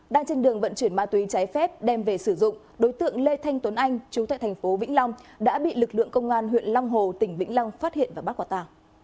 đang trên đường vận chuyển ma túy trái phép đem về sử dụng đối tượng lê thanh tuấn anh chú tại thành phố vĩnh long đã bị lực lượng công an huyện long hồ tỉnh vĩnh long phát hiện và bắt quả tàng